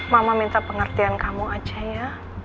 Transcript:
mama minta pengertian kamu aja ya